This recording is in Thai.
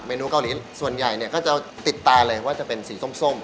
นูเกาหลีส่วนใหญ่เนี่ยก็จะติดตาเลยว่าจะเป็นสีส้ม